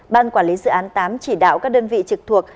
ban quản lý dự án tám chỉ đạo các đơn vị trực thuộc